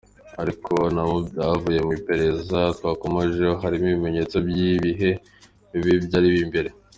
Ariko no mubyavuye mu iperereza twakomojeho, harimo ibimenyetso by’ibihe bibi byari imbere.